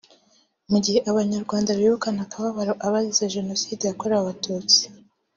Mu gihe Abanyarwanda bibukana akababaro abazize Jenoside yakorewe Abatutsi